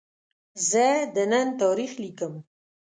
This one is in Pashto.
زه د نن تاریخ لیکم.